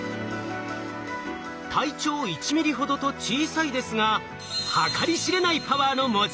体長１ミリほどと小さいですが計り知れないパワーの持ち主なんです。